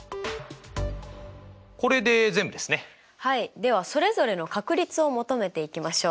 ではそれぞれの確率を求めていきましょう。